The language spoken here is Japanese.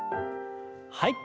はい。